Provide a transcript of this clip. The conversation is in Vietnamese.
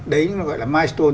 đấy nó gọi là milestone